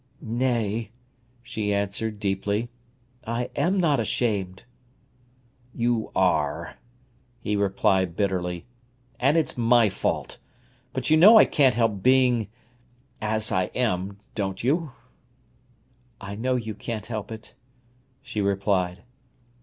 "Nay," she answered deeply, "I am not ashamed." "You are," he replied bitterly; "and it's my fault. But you know I can't help being—as I am—don't you?" "I know you can't help it," she replied.